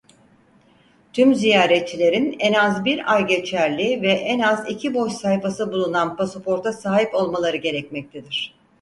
Tüm ziyaretçilerin en az bir ay geçerli ve en az iki boş sayfası bulunan pasaporta sahip olmaları gerekmektedir.